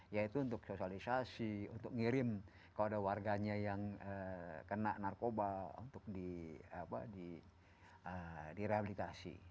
yaitu untuk sosialisasi untuk ngirim kalau ada warganya yang kena narkoba untuk direhabilitasi